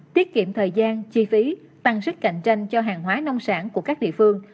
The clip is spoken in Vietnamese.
tiết kiệm thời gian chi phí tăng sức cạnh tranh cho hàng hóa nông sản của các địa phương